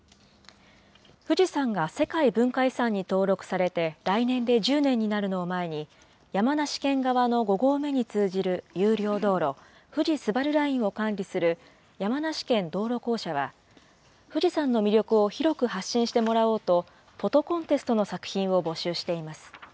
富士山が世界文化遺産に登録されて来年で１０年になるのを前に、山梨県側の５合目に通じる有料道路、富士スバルラインを管理する山梨県道路公社は、富士山の魅力を広く発信してもらおうと、フォトコンテストの作品を募集しています。